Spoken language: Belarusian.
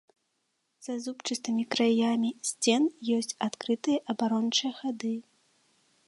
За зубчастымі краямі сцен ёсць адкрытыя абарончыя хады.